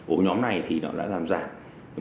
ổ nhóm này thì nó đã giảm giảm